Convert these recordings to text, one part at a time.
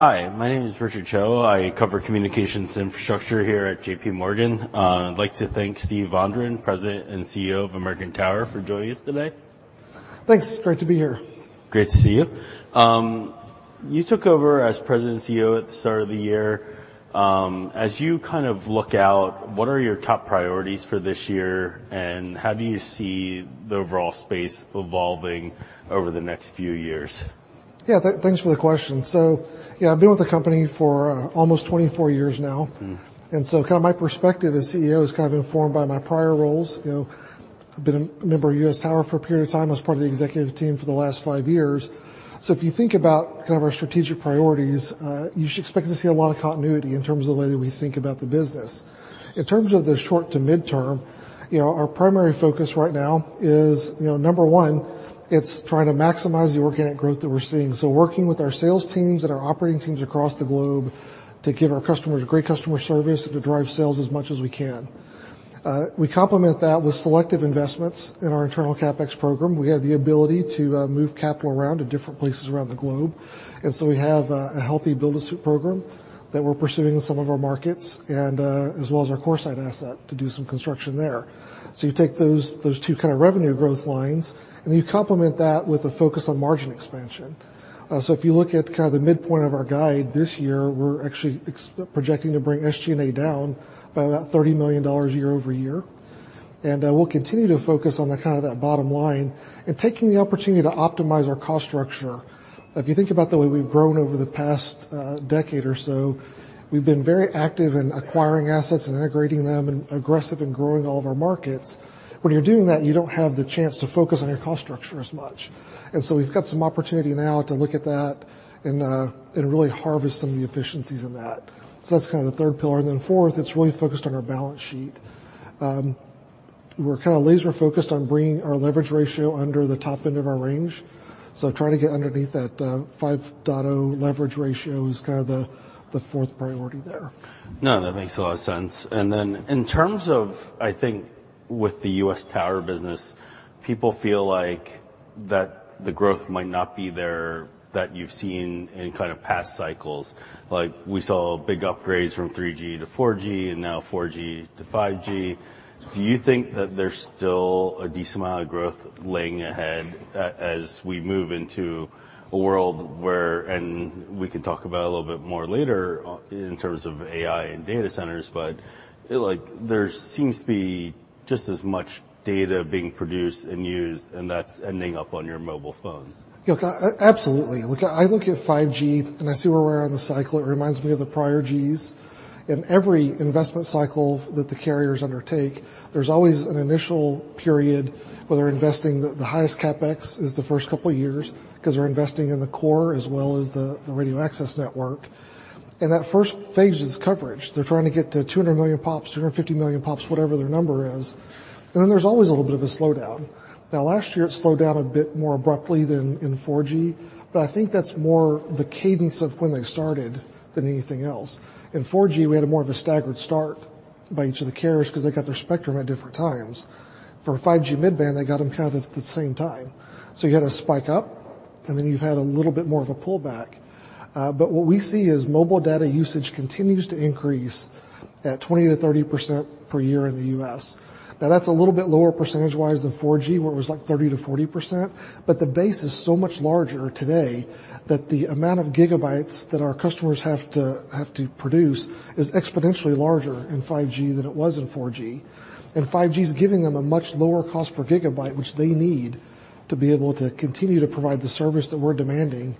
Hi, my name is Richard Choe. I cover communications infrastructure here at J.P. Morgan. I'd like to thank Steve Vondran, President and CEO of American Tower, for joining us today. Thanks. Great to be here. Great to see you. You took over as President and CEO at the start of the year. As you kind of look out, what are your top priorities for this year, and how do you see the overall space evolving over the next few years? Yeah, thanks for the question. So, yeah, I've been with the company for almost 24 years now. Mm-hmm. So kind of my perspective as CEO is kind of informed by my prior roles. You know, I've been a member of American Tower for a period of time, was part of the executive team for the last five years. So if you think about kind of our strategic priorities, you should expect to see a lot of continuity in terms of the way that we think about the business. In terms of the short to midterm, you know, our primary focus right now is, you know, number one, it's trying to maximize the organic growth that we're seeing, so working with our sales teams and our operating teams across the globe to give our customers great customer service and to drive sales as much as we can. We complement that with selective investments in our internal CapEx program. We have the ability to move capital around to different places around the globe, and so we have a healthy build-to-suit program that we're pursuing in some of our markets and as well as our CoreSite asset to do some construction there. So you take those two kind of revenue growth lines, and you complement that with a focus on margin expansion. So if you look at kind of the midpoint of our guide this year, we're actually projecting to bring SG&A down by about $30 million year-over-year. And we'll continue to focus on the kind of that bottom line and taking the opportunity to optimize our cost structure. If you think about the way we've grown over the past decade or so, we've been very active in acquiring assets and integrating them and aggressive in growing all of our markets. When you're doing that, you don't have the chance to focus on your cost structure as much, and so we've got some opportunity now to look at that and really harvest some of the efficiencies in that. So that's kind of the third pillar, and then fourth, it's really focused on our balance sheet. We're kind of laser-focused on bringing our leverage ratio under the top end of our range, so trying to get underneath that 5.0 leverage ratio is kind of the fourth priority there. No, that makes a lot of sense. And then in terms of, I think, with the U.S. Tower business, people feel like that the growth might not be there, that you've seen in kind of past cycles. Like, we saw big upgrades from 3G to 4G and now 4G to 5G. Do you think that there's still a decent amount of growth laying ahead as we move into a world where... And we can talk about it a little bit more later on in terms of AI and data centers, but, like, there seems to be just as much data being produced and used, and that's ending up on your mobile phone. Yeah, absolutely. Look, I look at 5G, and I see where we're on the cycle. It reminds me of the prior Gs. In every investment cycle that the carriers undertake, there's always an initial period where they're investing. The highest CapEx is the first couple of years because they're investing in the core as well as the radio access network. And that first phase is coverage. They're trying to get to 200 million POPs, 250 million POPs, whatever their number is, and then there's always a little bit of a slowdown. Now, last year, it slowed down a bit more abruptly than in 4G, but I think that's more the cadence of when they started than anything else. In 4G, we had more of a staggered start by each of the carriers because they got their spectrum at different times. For 5G mid-band, they got them kind of at the same time. So you had a spike up, and then you've had a little bit more of a pullback. But what we see is mobile data usage continues to increase at 20%-30% per year in the U.S. Now, that's a little bit lower percentage-wise than 4G, where it was like 30%-40%, but the base is so much larger today that the amount of gigabytes that our customers have to, have to produce is exponentially larger in 5G than it was in 4G. And 5G is giving them a much lower cost per gigabyte, which they need to be able to continue to provide the service that we're demanding,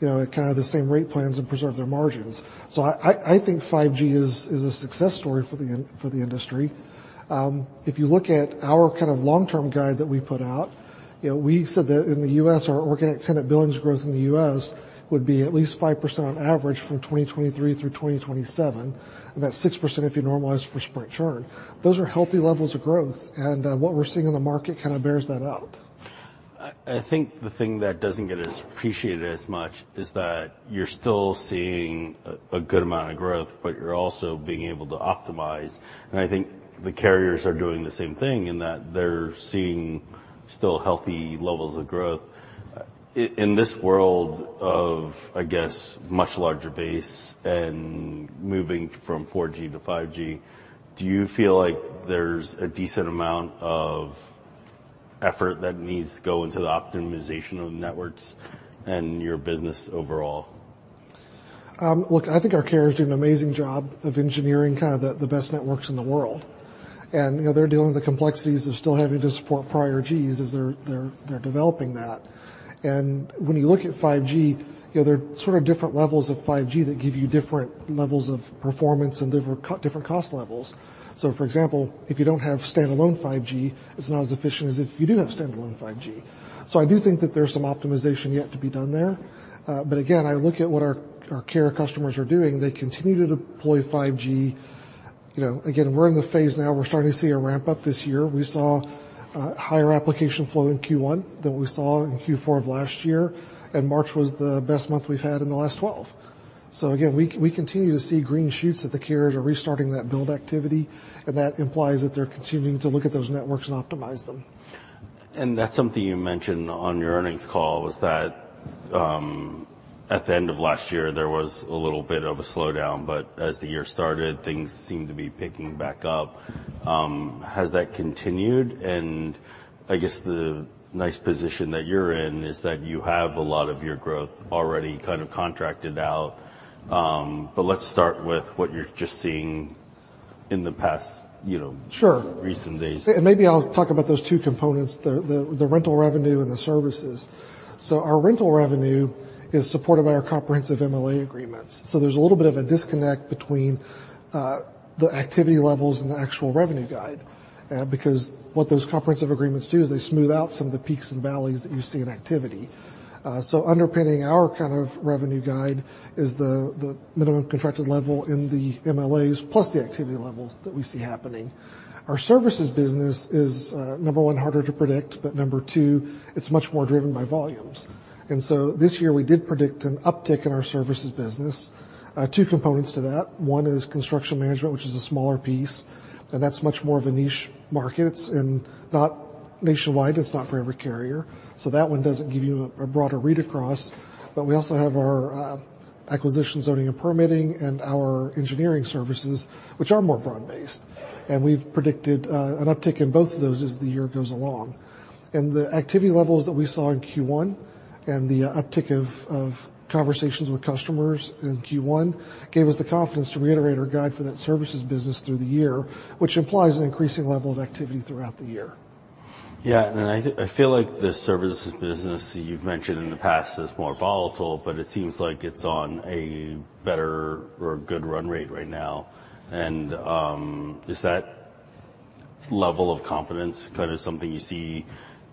you know, at kind of the same rate plans and preserve their margins. So I think 5G is a success story for the industry. If you look at our kind of long-term guide that we put out, you know, we said that in the U.S., our organic tenant billings growth in the U.S. would be at least 5% on average from 2023 through 2027. And that's 6% if you normalize for Sprint churn. Those are healthy levels of growth, and what we're seeing in the market kind of bears that out. I think the thing that doesn't get as appreciated as much is that you're still seeing a good amount of growth, but you're also being able to optimize. I think the carriers are doing the same thing in that they're seeing still healthy levels of growth. In this world of, I guess, much larger base and moving from 4G to 5G, do you feel like there's a decent amount of effort that needs to go into the optimization of the networks and your business overall? Look, I think our carriers do an amazing job of engineering kind of the best networks in the world. And, you know, they're dealing with the complexities of still having to support prior Gs as they're developing that. And when you look at 5G, you know, there are sort of different levels of 5G that give you different levels of performance and different cost levels. So, for example, if you don't have standalone 5G, it's not as efficient as if you do have standalone 5G. So I do think that there's some optimization yet to be done there. But again, I look at what our carrier customers are doing, they continue to deploy 5G. You know, again, we're in the phase now, we're starting to see a ramp-up this year. We saw a higher application flow in Q1 than we saw in Q4 of last year, and March was the best month we've had in the last twelve. So again, we continue to see green shoots that the carriers are restarting that build activity, and that implies that they're continuing to look at those networks and optimize them. ...And that's something you mentioned on your earnings call, was that, at the end of last year, there was a little bit of a slowdown, but as the year started, things seemed to be picking back up. Has that continued? And I guess the nice position that you're in, is that you have a lot of your growth already kind of contracted out. But let's start with what you're just seeing in the past, you know- Sure. -recent days. And maybe I'll talk about those two components, the rental revenue and the services. So our rental revenue is supported by our comprehensive MLA agreements. So there's a little bit of a disconnect between the activity levels and the actual revenue guide. So underpinning our kind of revenue guide is the minimum contracted level in the MLAs, plus the activity level that we see happening. Our services business is number one, harder to predict, but number two, it's much more driven by volumes. And so this year, we did predict an uptick in our services business. Two components to that: One is construction management, which is a smaller piece, and that's much more of a niche markets, and not nationwide, it's not for every carrier. So that one doesn't give you a broader read-across. But we also have our acquisitions, zoning, and permitting, and our engineering services, which are more broad-based. And we've predicted an uptick in both of those as the year goes along. And the activity levels that we saw in Q1, and the uptick of conversations with customers in Q1, gave us the confidence to reiterate our guide for that services business through the year, which implies an increasing level of activity throughout the year. Yeah, and I feel like the services business you've mentioned in the past is more volatile, but it seems like it's on a better or a good run rate right now. And, is that level of confidence kind of something you see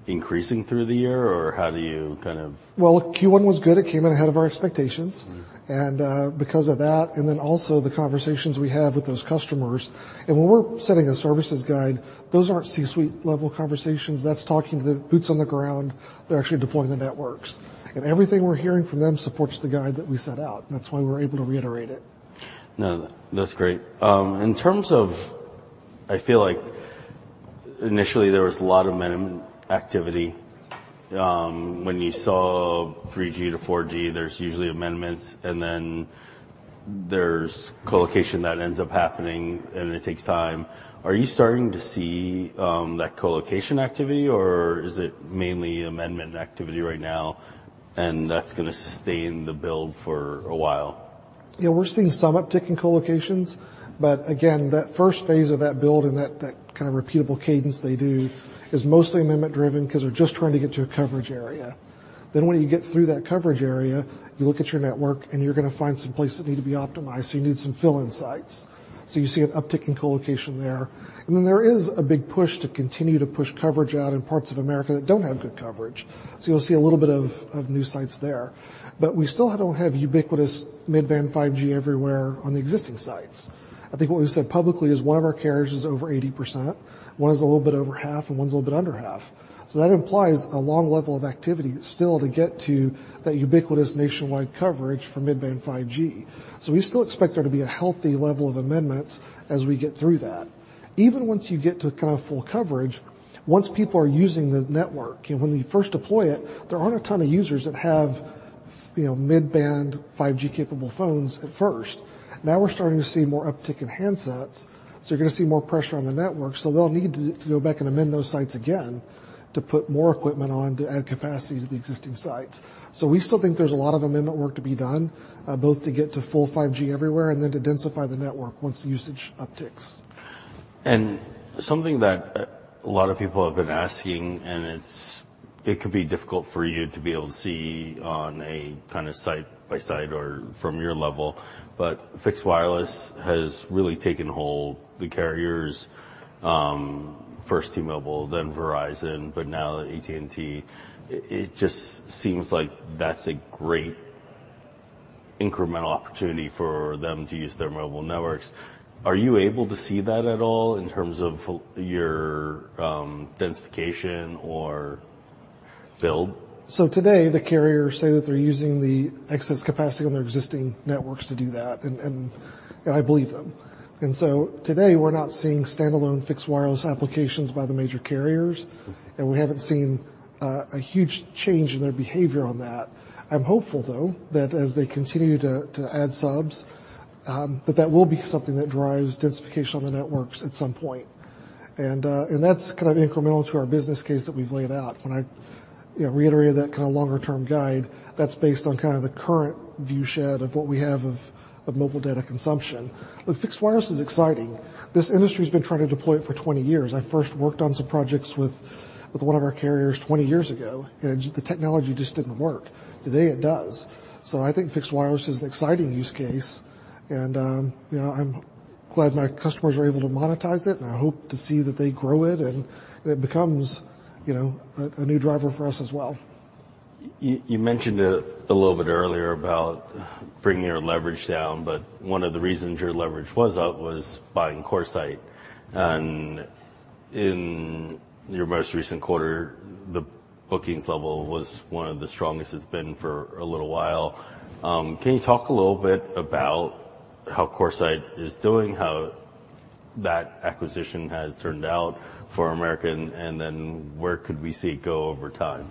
increasing through the year, or how do you kind of- Well, Q1 was good. It came in ahead of our expectations. Mm. Because of that, and then also the conversations we had with those customers... And when we're setting a services guide, those aren't C-suite level conversations. That's talking to the boots on the ground that are actually deploying the networks. And everything we're hearing from them supports the guide that we set out, and that's why we're able to reiterate it. No, that's great. In terms of... I feel like initially there was a lot of minimal activity. When you saw 3G to 4G, there's usually amendments, and then there's co-location that ends up happening, and it takes time. Are you starting to see that co-location activity, or is it mainly amendment activity right now, and that's gonna sustain the build for a while? Yeah, we're seeing some uptick in co-locations, but again, that first phase of that build and that kind of repeatable cadence they do is mostly amendment-driven because they're just trying to get to a coverage area. Then when you get through that coverage area, you look at your network, and you're gonna find some places that need to be optimized, so you need some fill-in sites. So you see an uptick in co-location there. And then there is a big push to continue to push coverage out in parts of America that don't have good coverage. So you'll see a little bit of new sites there. But we still don't have ubiquitous Mid-band 5G everywhere on the existing sites. I think what we've said publicly is one of our carriers is over 80%, one is a little bit over half, and one's a little bit under half. So that implies a long level of activity still to get to that ubiquitous nationwide coverage for mid-band 5G. So we still expect there to be a healthy level of amendments as we get through that. Even once you get to kind of full coverage, once people are using the network, and when you first deploy it, there aren't a ton of users that have, you know, mid-band, 5G-capable phones at first. Now we're starting to see more uptick in handsets, so you're gonna see more pressure on the network. So they'll need to go back and amend those sites again to put more equipment on to add capacity to the existing sites. So we still think there's a lot of amendment work to be done, both to get to full 5G everywhere and then to densify the network once the usage upticks. Something that a lot of people have been asking, and it could be difficult for you to be able to see on a kind of site-by-site or from your level, but fixed wireless has really taken hold. The carriers, first T-Mobile, then Verizon, but now AT&T, it just seems like that's a great incremental opportunity for them to use their mobile networks. Are you able to see that at all in terms of your densification or build? So today, the carriers say that they're using the excess capacity on their existing networks to do that, and I believe them. And so today, we're not seeing standalone fixed wireless applications by the major carriers, and we haven't seen a huge change in their behavior on that. I'm hopeful, though, that as they continue to add subs, that that will be something that drives densification on the networks at some point. And that's kind of incremental to our business case that we've laid out. When I, you know, reiterated that kind of longer-term guide, that's based on kind of the current viewshed of what we have of mobile data consumption. But fixed wireless is exciting. This industry's been trying to deploy it for 20 years. I first worked on some projects with one of our carriers 20 years ago, and the technology just didn't work. Today, it does. So I think fixed wireless is an exciting use case, and, you know, I'm glad my customers are able to monetize it, and I hope to see that they grow it, and it becomes, you know, a new driver for us as well. You mentioned it a little bit earlier about bringing your leverage down, but one of the reasons your leverage was up was buying CoreSite. In your most recent quarter, the bookings level was one of the strongest it's been for a little while. Can you talk a little bit about how CoreSite is doing, how that acquisition has turned out for American, and then where could we see it go over time?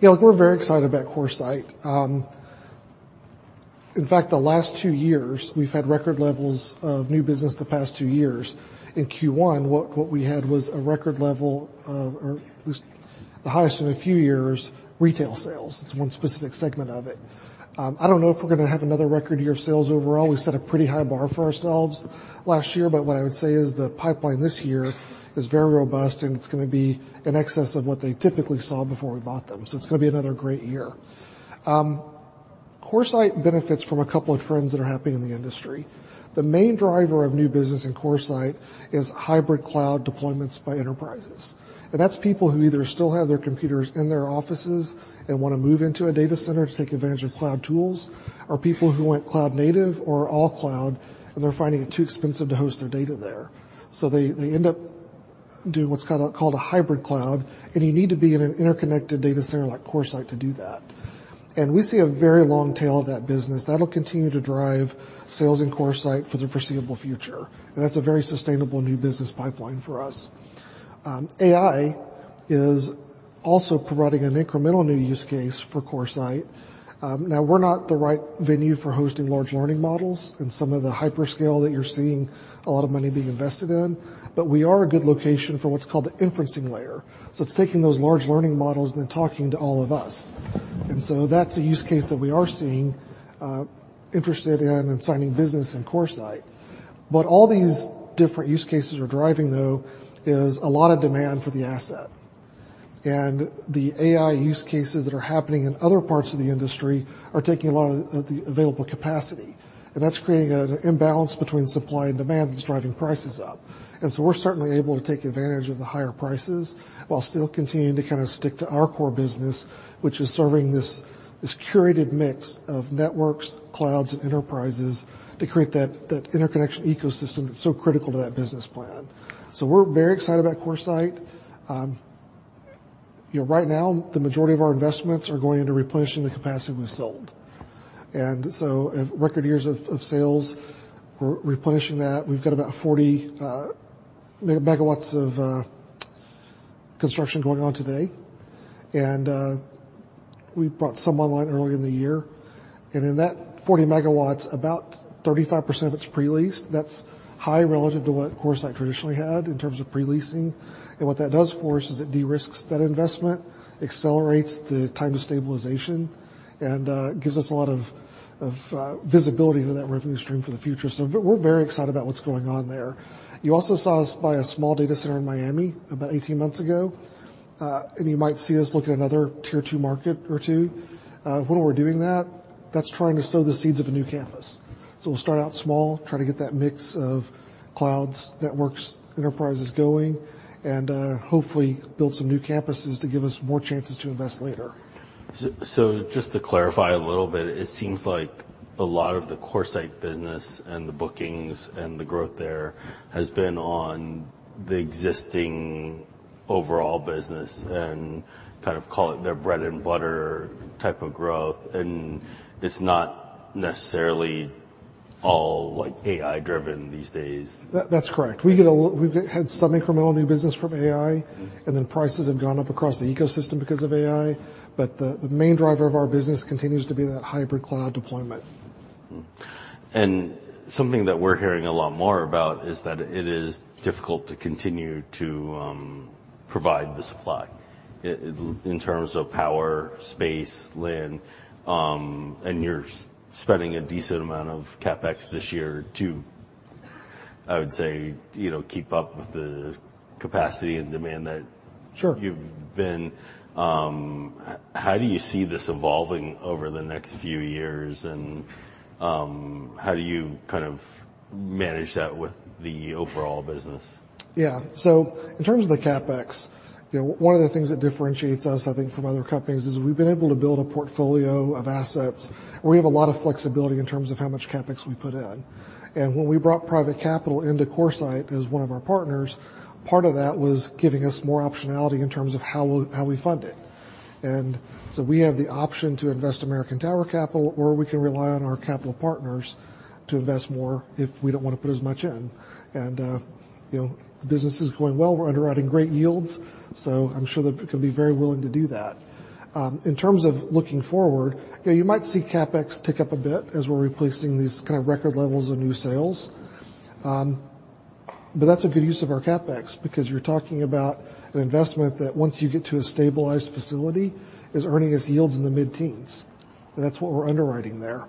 Yeah, look, we're very excited about CoreSite. In fact, the last two years, we've had record levels of new business the past two years. In Q1, what we had was a record level of, or at least the highest in a few years, retail sales. That's one specific segment of it. I don't know if we're gonna have another record year of sales overall. We set a pretty high bar for ourselves last year, but what I would say is the pipeline this year is very robust, and it's gonna be in excess of what they typically saw before we bought them, so it's gonna be another great year. CoreSite benefits from a couple of trends that are happening in the industry. The main driver of new business in CoreSite is hybrid cloud deployments by enterprises, and that's people who either still have their computers in their offices and wanna move into a data center to take advantage of cloud tools, or people who went cloud native or all cloud, and they're finding it too expensive to host their data there. So they, they end up doing what's kind of called a hybrid cloud, and you need to be in an interconnected data center like CoreSite to do that. And we see a very long tail of that business. That'll continue to drive sales in CoreSite for the foreseeable future, and that's a very sustainable new business pipeline for us. AI is also providing an incremental new use case for CoreSite. Now we're not the right venue for hosting large learning models and some of the hyperscale that you're seeing a lot of money being invested in, but we are a good location for what's called the inferencing layer. So it's taking those large learning models and then talking to all of us. And so that's a use case that we are seeing, interested in and signing business in CoreSite. What all these different use cases are driving, though, is a lot of demand for the asset. And the AI use cases that are happening in other parts of the industry are taking a lot of the available capacity, and that's creating an imbalance between supply and demand that's driving prices up. And so we're certainly able to take advantage of the higher prices while still continuing to kind of stick to our core business, which is serving this curated mix of networks, clouds, and enterprises to create that interconnection ecosystem that's so critical to that business plan. So we're very excited about CoreSite. You know, right now, the majority of our investments are going into replenishing the capacity we sold. And so record years of sales, we're replenishing that. We've got about 40 MW of construction going on today, and we brought some online earlier in the year. And in that 40 MW, about 35% of it's pre-leased. That's high relative to what CoreSite traditionally had in terms of pre-leasing. And what that does for us is it de-risks that investment, accelerates the time to stabilization, and gives us a lot of of visibility to that revenue stream for the future. So we're very excited about what's going on there. You also saw us buy a small data center in Miami about 18 months ago. And you might see us look at another Tier 2 market or two. When we're doing that, that's trying to sow the seeds of a new campus. So we'll start out small, try to get that mix of clouds, networks, enterprises going, and hopefully build some new campuses to give us more chances to invest later. So, so just to clarify a little bit, it seems like a lot of the CoreSite business and the bookings and the growth there has been on the existing overall business and kind of call it their bread-and-butter type of growth, and it's not necessarily all, like, AI-driven these days. That's correct. We've had some incremental new business from AI, and then prices have gone up across the ecosystem because of AI, but the main driver of our business continues to be that hybrid cloud deployment. Mm-hmm. And something that we're hearing a lot more about is that it is difficult to continue to provide the supply in terms of power, space, land, and you're spending a decent amount of CapEx this year to, I would say, you know, keep up with the capacity and demand that- Sure. -you've been... how do you see this evolving over the next few years, and, how do you kind of manage that with the overall business? Yeah. So in terms of the CapEx, you know, one of the things that differentiates us, I think, from other companies, is we've been able to build a portfolio of assets where we have a lot of flexibility in terms of how much CapEx we put in. And when we brought private capital into CoreSite as one of our partners, part of that was giving us more optionality in terms of how we fund it. And, you know, the business is going well. We're underwriting great yields, so I'm sure that we can be very willing to do that. In terms of looking forward, yeah, you might see CapEx tick up a bit as we're replacing these kind of record levels of new sales. But that's a good use of our CapEx because you're talking about an investment that, once you get to a stabilized facility, is earning us yields in the mid-teens. That's what we're underwriting there.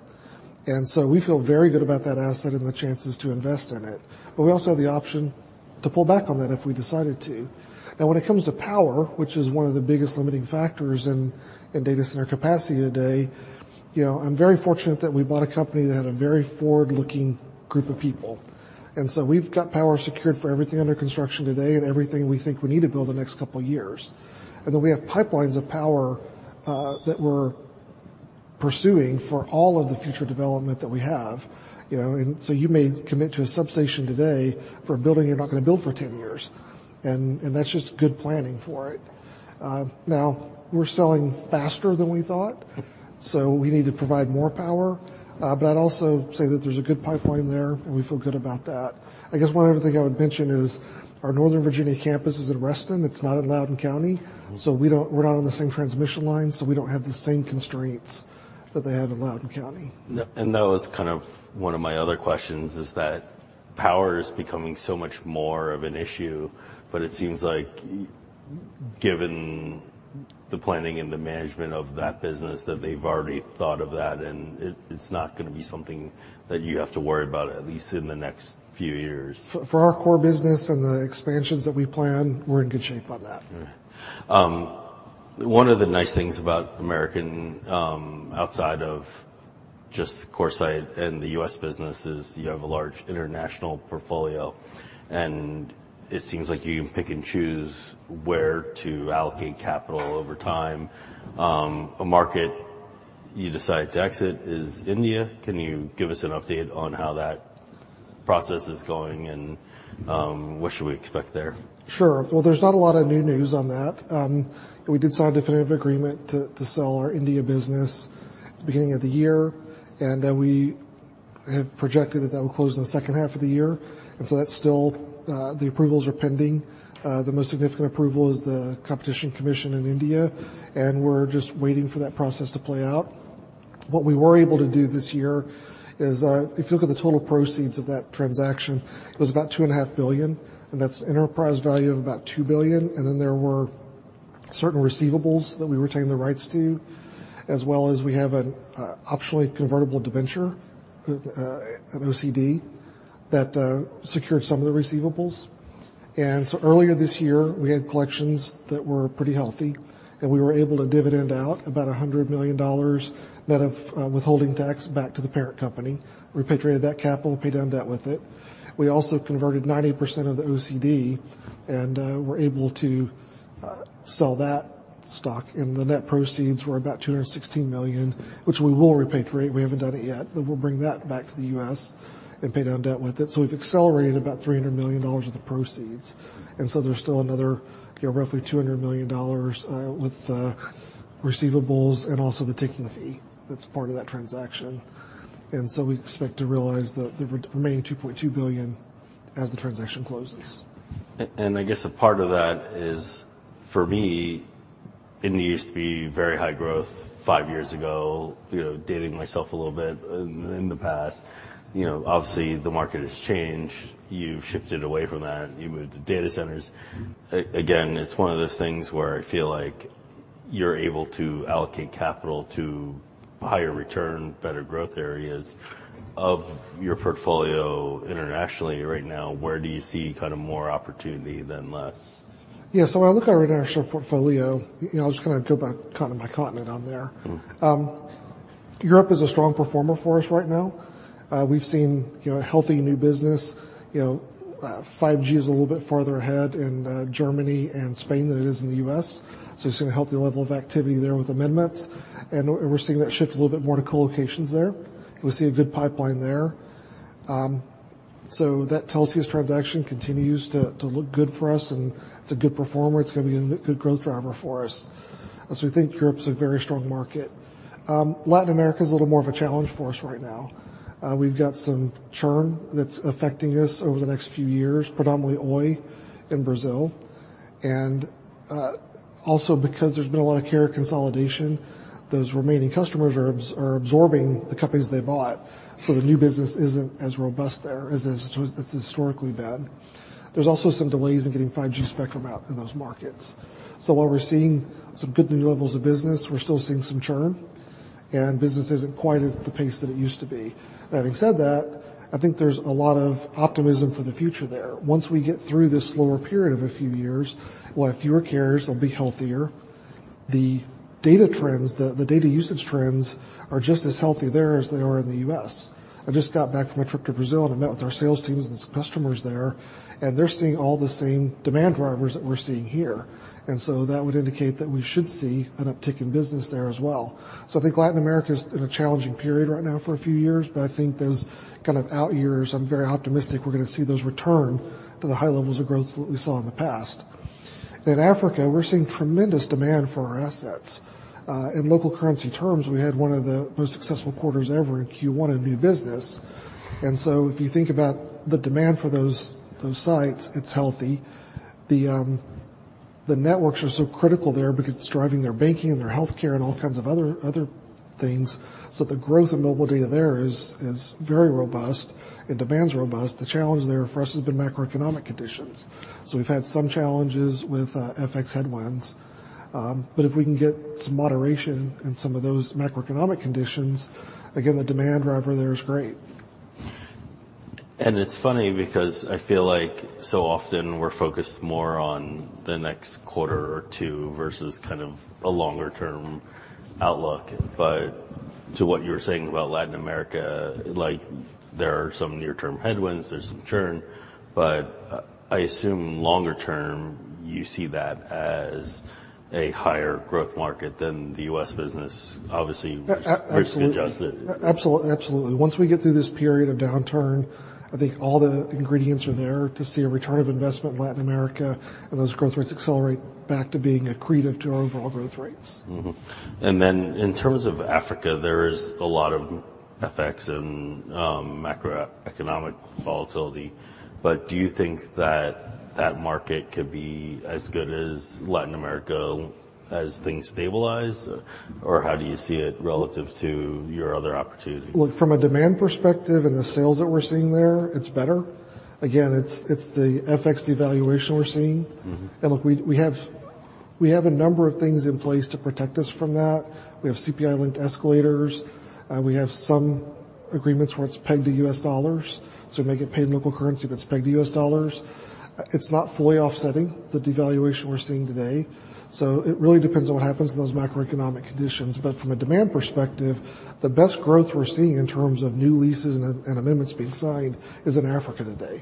And so we feel very good about that asset and the chances to invest in it, but we also have the option to pull back on that if we decided to. Now, when it comes to power, which is one of the biggest limiting factors in, in data center capacity today, you know, I'm very fortunate that we bought a company that had a very forward-looking group of people. So we've got power secured for everything under construction today and everything we think we need to build the next couple of years. Then we have pipelines of power that we're pursuing for all of the future development that we have. You know, and so you may commit to a substation today for a building you're not gonna build for 10 years... and that's just good planning for it. Now, we're selling faster than we thought, so we need to provide more power. But I'd also say that there's a good pipeline there, and we feel good about that. I guess one other thing I would mention is our Northern Virginia campus is in Reston. It's not in Loudoun County, so we don't- we're not on the same transmission line, so we don't have the same constraints that they have in Loudoun County. That was kind of one of my other questions, is that power is becoming so much more of an issue, but it seems like given the planning and the management of that business, that they've already thought of that, and it, it's not gonna be something that you have to worry about, at least in the next few years. For our core business and the expansions that we plan, we're in good shape on that. All right. One of the nice things about American, outside of just CoreSite and the U.S. business is you have a large international portfolio, and it seems like you can pick and choose where to allocate capital over time. A market you decided to exit is India. Can you give us an update on how that process is going, and, what should we expect there? Sure. Well, there's not a lot of new news on that. We did sign a definitive agreement to sell our India business at the beginning of the year, and we have projected that that will close in the second half of the year, and so that's still the approvals are pending. The most significant approval is the Competition Commission in India, and we're just waiting for that process to play out. What we were able to do this year is, if you look at the total proceeds of that transaction, it was about $2.5 billion, and that's enterprise value of about $2 billion, and then there were certain receivables that we retained the rights to, as well as we have an optionally convertible debenture, an OCD, that secured some of the receivables. And so earlier this year, we had collections that were pretty healthy, and we were able to dividend out about $100 million net of withholding tax back to the parent company, repatriated that capital, and paid down debt with it. We also converted 90% of the OCD, and we're able to sell that stock, and the net proceeds were about $216 million, which we will repatriate. We haven't done it yet, but we'll bring that back to the US and pay down debt with it. So we've accelerated about $300 million of the proceeds, and so there's still another, you know, roughly $200 million with the receivables and also the ticking fee. That's part of that transaction. And so we expect to realize the remaining $2.2 billion as the transaction closes. And I guess a part of that is, for me, India used to be very high growth five years ago, you know, dating myself a little bit in the past. You know, obviously, the market has changed. You've shifted away from that, and you moved to data centers. Again, it's one of those things where I feel like you're able to allocate capital to higher return, better growth areas. Of your portfolio internationally right now, where do you see kind of more opportunity than less? Yeah. So when I look at our international portfolio, you know, I'll just kind of go by continent on there. Mm-hmm. Europe is a strong performer for us right now. We've seen, you know, healthy new business. You know, 5G is a little bit farther ahead in, Germany and Spain than it is in the U.S., so we're seeing a healthy level of activity there with amendments, and we're seeing that shift a little bit more to co-locations there. We see a good pipeline there. So that Telxius transaction continues to look good for us, and it's a good performer. It's gonna be a good growth driver for us, and so we think Europe's a very strong market. Latin America is a little more of a challenge for us right now. We've got some churn that's affecting us over the next few years, predominantly Oi in Brazil. Also, because there's been a lot of carrier consolidation, those remaining customers are absorbing the companies they bought, so the new business isn't as robust there as it has historically been. There's also some delays in getting 5G spectrum out in those markets. So while we're seeing some good new levels of business, we're still seeing some churn, and business isn't quite at the pace that it used to be. Now, having said that, I think there's a lot of optimism for the future there. Once we get through this slower period of a few years, we'll have fewer carriers, they'll be healthier. The data trends, the data usage trends are just as healthy there as they are in the U.S. I just got back from a trip to Brazil, and I met with our sales teams and some customers there, and they're seeing all the same demand drivers that we're seeing here, and so that would indicate that we should see an uptick in business there as well. So I think Latin America's in a challenging period right now for a few years, but I think those kind of out years, I'm very optimistic we're gonna see those return to the high levels of growth that we saw in the past. In Africa, we're seeing tremendous demand for our assets. In local currency terms, we had one of the most successful quarters ever in Q1 in new business. And so if you think about the demand for those, those sites, it's healthy. The, the networks are so critical there because it's driving their banking and their healthcare and all kinds of other, other things, so the growth of mobile data there is, is very robust and demand's robust. The challenge there for us has been macroeconomic conditions. So we've had some challenges with, FX headwinds, but if we can get some moderation in some of those macroeconomic conditions, again, the demand driver there is great. It's funny because I feel like so often we're focused more on the next quarter or two versus kind of a longer-term outlook, but to what you were saying about Latin America, like, there are some near-term headwinds, there's some churn, but I assume longer term, you see that as a higher growth market than the US business. Obviously, risk-adjusted. Absolutely. Absolutely. Once we get through this period of downturn, I think all the ingredients are there to see a return of investment in Latin America, and those growth rates accelerate back to being accretive to our overall growth rates. Mm-hmm. Then in terms of Africa, there is a lot of FX and macroeconomic volatility. But do you think that that market could be as good as Latin America as things stabilize? Or how do you see it relative to your other opportunities? Look, from a demand perspective and the sales that we're seeing there, it's better. Again, it's, it's the FX devaluation we're seeing. Mm-hmm. And look, we have a number of things in place to protect us from that. We have CPI-linked escalators. We have some agreements where it's pegged to U.S. dollars, so we may get paid in local currency, but it's pegged to U.S. dollars. It's not fully offsetting the devaluation we're seeing today, so it really depends on what happens in those macroeconomic conditions. But from a demand perspective, the best growth we're seeing in terms of new leases and amendments being signed is in Africa today.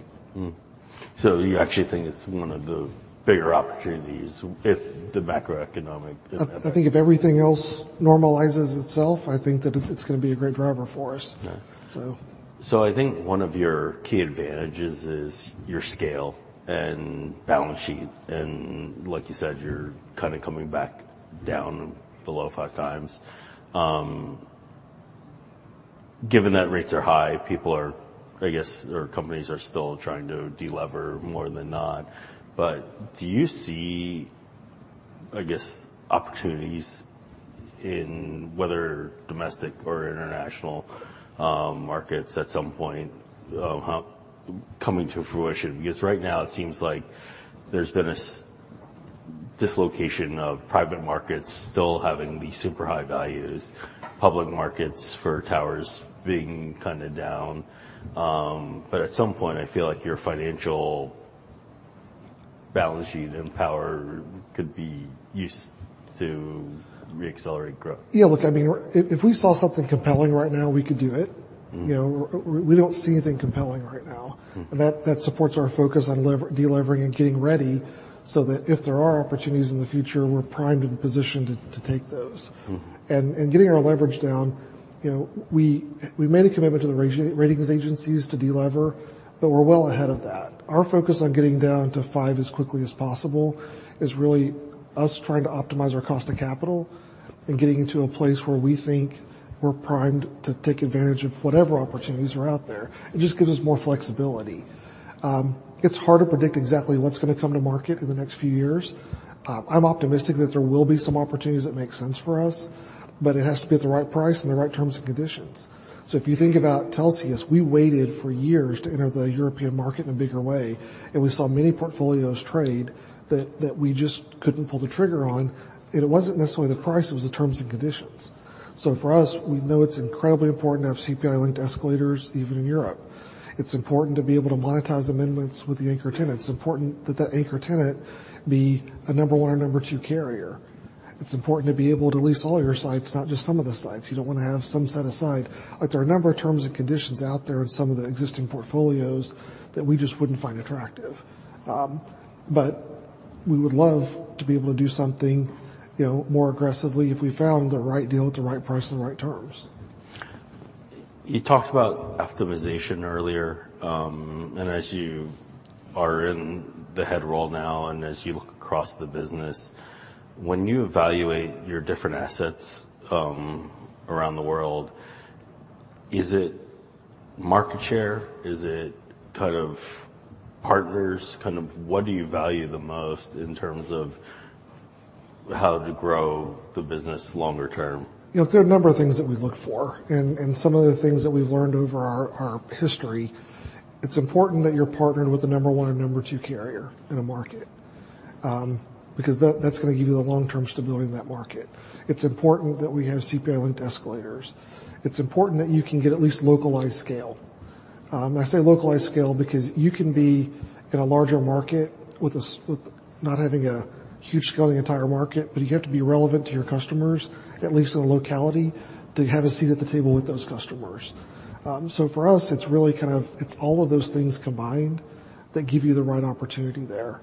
So you actually think it's one of the bigger opportunities if the macroeconomic doesn't- I think if everything else normalizes itself, I think that it's gonna be a great driver for us. Yeah. So. So I think one of your key advantages is your scale and balance sheet, and like you said, you're kinda coming back down below 5 times. Given that rates are high, people are, I guess, or companies are still trying to delever more than not. But do you see, I guess, opportunities in whether domestic or international, markets at some point, coming to fruition? Because right now it seems like there's been a dislocation of private markets still having these super high values, public markets for towers being kinda down. But at some point, I feel like your financial balance sheet and power could be used to reaccelerate growth. Yeah, look, I mean, if we saw something compelling right now, we could do it. Mm-hmm. You know, we don't see anything compelling right now. Mm-hmm. That supports our focus on delevering and getting ready, so that if there are opportunities in the future, we're primed and positioned to take those. Mm-hmm. Getting our leverage down, you know, we made a commitment to the rating agencies to delever, but we're well ahead of that. Our focus on getting down to five as quickly as possible is really us trying to optimize our cost of capital and getting into a place where we think we're primed to take advantage of whatever opportunities are out there. It just gives us more flexibility. It's hard to predict exactly what's gonna come to market in the next few years. I'm optimistic that there will be some opportunities that make sense for us, but it has to be at the right price and the right terms and conditions. So if you think about Telxius, we waited for years to enter the European market in a bigger way, and we saw many portfolios trade that we just couldn't pull the trigger on. It wasn't necessarily the price; it was the terms and conditions. For us, we know it's incredibly important to have CPI-linked escalators, even in Europe. It's important to be able to monetize amendments with the anchor tenant. It's important that that anchor tenant be a number one or number two carrier. It's important to be able to lease all your sites, not just some of the sites. You don't wanna have some set aside. There are a number of terms and conditions out there in some of the existing portfolios that we just wouldn't find attractive. But we would love to be able to do something, you know, more aggressively if we found the right deal at the right price and the right terms. You talked about optimization earlier, and as you are in the head role now, and as you look across the business, around the world, is it market share? Is it kind of partners? Kind of what do you value the most in terms of how to grow the business longer term? You know, there are a number of things that we look for, and some of the things that we've learned over our history, it's important that you're partnered with the number one or number two carrier in a market, because that's gonna give you the long-term stability in that market. It's important that we have CPI-linked escalators. It's important that you can get at least localized scale. I say localized scale because you can be in a larger market with not having a huge scale in the entire market, but you have to be relevant to your customers, at least in a locality, to have a seat at the table with those customers. So for us, it's really kind of... it's all of those things combined that give you the right opportunity there.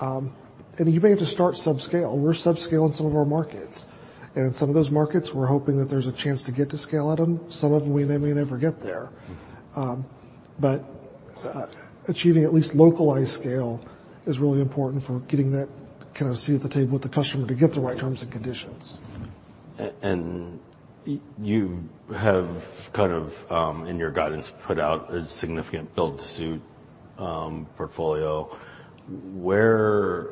And you may have to start sub-scale. We're sub-scale in some of our markets, and some of those markets, we're hoping that there's a chance to get to scale at them. Some of them, we may never get there. Mm-hmm. Achieving at least localized scale is really important for getting that kind of seat at the table with the customer to get the right terms and conditions. And you have kind of, in your guidance, put out a significant build-to-suit portfolio. Where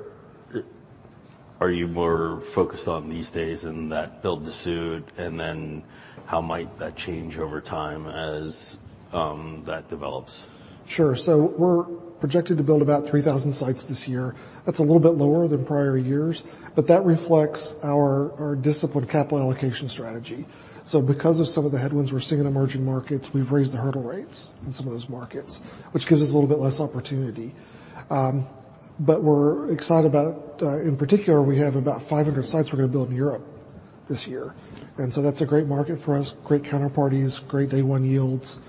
are you more focused on these days in that build-to-suit, and then how might that change over time as that develops? Sure. So we're projected to build about 3,000 sites this year. That's a little bit lower than prior years, but that reflects our disciplined capital allocation strategy. So because of some of the headwinds we're seeing in emerging markets, we've raised the hurdle rates in some of those markets, which gives us a little bit less opportunity. But we're excited about, in particular, we have about 500 sites we're gonna build in Europe this year, and so that's a great market for us, great counterparties, great day one yields.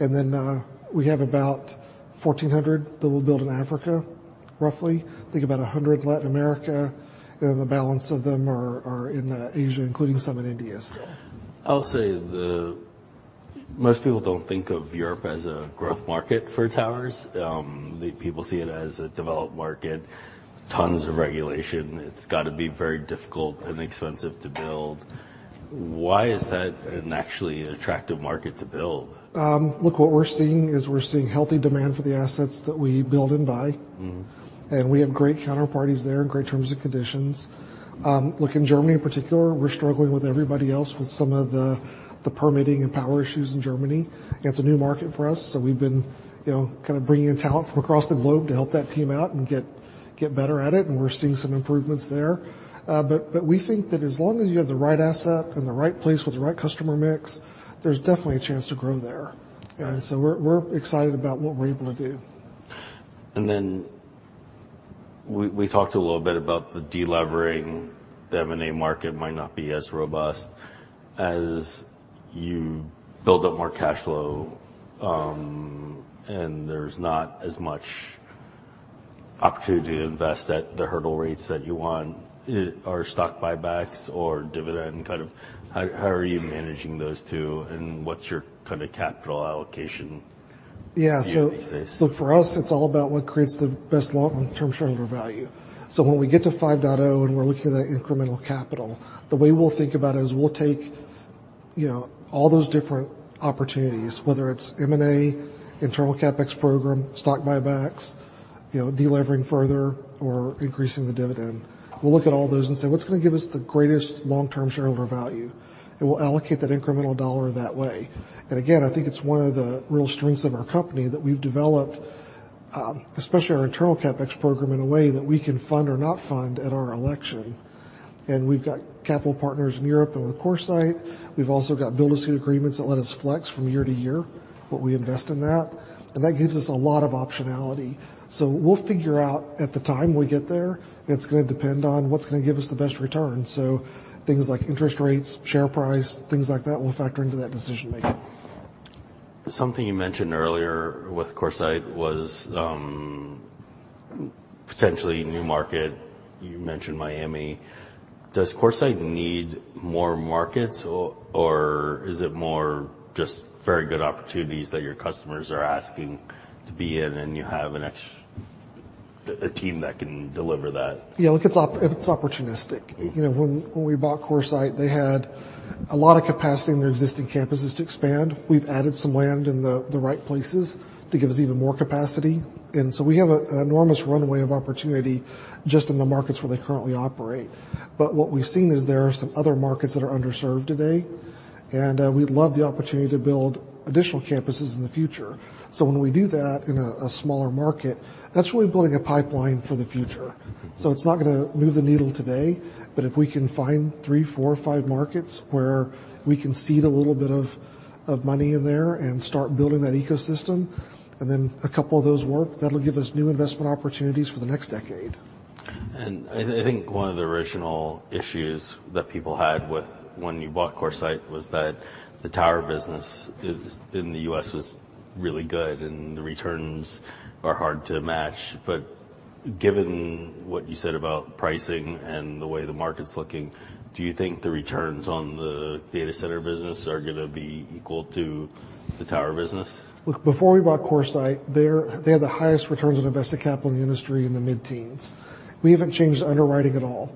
And then, we have about 1,400 that we'll build in Africa, roughly. I think about 100, Latin America, and the balance of them are in Asia, including some in India still. I'll say most people don't think of Europe as a growth market for towers. People see it as a developed market, tons of regulation. It's gotta be very difficult and expensive to build. Why is that an actually attractive market to build? Look, what we're seeing is we're seeing healthy demand for the assets that we build and buy. Mm-hmm. We have great counterparties there and great terms and conditions. Look, in Germany, in particular, we're struggling with everybody else with some of the permitting and power issues in Germany. It's a new market for us, so we've been, you know, kinda bringing in talent from across the globe to help that team out and get better at it, and we're seeing some improvements there. But we think that as long as you have the right asset in the right place with the right customer mix, there's definitely a chance to grow there. Mm-hmm. And so we're excited about what we're able to do. And then we talked a little bit about the delevering. The M&A market might not be as robust. As you build up more cash flow, and there's not as much opportunity to invest at the hurdle rates that you want, are stock buybacks or dividend kind of... How are you managing those two, and what's your kind of capital allocation? Yeah. These days? So for us, it's all about what creates the best long-term shareholder value. So when we get to 5.0 and we're looking at incremental capital, the way we'll think about it is we'll take, you know, all those different opportunities, whether it's M&A, internal CapEx program, stock buybacks, you know, delevering further, or increasing the dividend. We'll look at all those and say, "What's gonna give us the greatest long-term shareholder value?" And we'll allocate that incremental dollar that way. And again, I think it's one of the real strengths of our company that we've developed, especially our internal CapEx program, in a way that we can fund or not fund at our election. And we've got capital partners in Europe and with CoreSite. We've also got build-to-suit agreements that let us flex from year to year what we invest in that, and that gives us a lot of optionality. So we'll figure out at the time we get there. It's gonna depend on what's gonna give us the best return. So things like interest rates, share price, things like that will factor into that decision-making. Something you mentioned earlier with CoreSite was potentially new market. You mentioned Miami. Does CoreSite need more markets, or is it more just very good opportunities that your customers are asking to be in, and you have an existing team that can deliver that? Yeah, look, it's opportunistic. You know, when we bought CoreSite, they had a lot of capacity in their existing campuses to expand. We've added some land in the right places to give us even more capacity, and so we have an enormous runway of opportunity just in the markets where they currently operate. But what we've seen is there are some other markets that are underserved today, and we'd love the opportunity to build additional campuses in the future. So when we do that in a smaller market, that's really building a pipeline for the future. Mm-hmm. So it's not gonna move the needle today, but if we can find three, four, or five markets where we can seed a little bit of money in there and start building that ecosystem, and then a couple of those work, that'll give us new investment opportunities for the next decade. I think one of the original issues that people had with when you bought CoreSite was that the tower business is in the U.S. was really good, and the returns are hard to match. But given what you said about pricing and the way the market's looking, do you think the returns on the data center business are gonna be equal to the tower business? Look, before we bought CoreSite, they had the highest returns on invested capital in the industry in the mid-teens. We haven't changed the underwriting at all,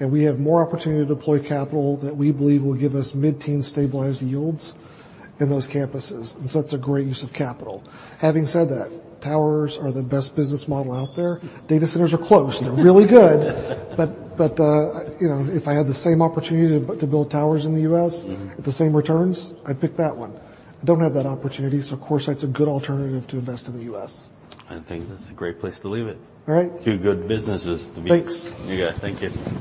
and we have more opportunity to deploy capital that we believe will give us mid-teen stabilized yields in those campuses, and so that's a great use of capital. Having said that, towers are the best business model out there. Data centers are close. They're really good. But, you know, if I had the same opportunity to build towers in the US- Mm-hmm. at the same returns, I'd pick that one. I don't have that opportunity, so CoreSite's a good alternative to invest in the U.S. I think that's a great place to leave it. All right. Two good businesses to be in. Thanks. You got it. Thank you.